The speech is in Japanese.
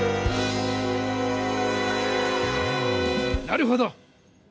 なるほど！